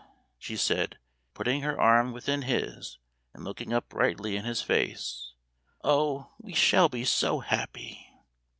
said she, putting her arm within his, and looking up brightly in his face, "Oh, we shall be so happy!"